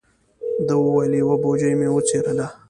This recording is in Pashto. ده و ویل: یوه بوجۍ مې وڅیرله.